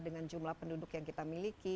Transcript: dengan jumlah penduduk yang kita miliki